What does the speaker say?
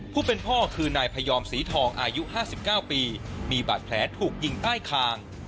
ผู้เป็นพ่อคือนายพยอมสีทองอายุ๕๙ปีมีบาดแผลถูกยิงใต้คาง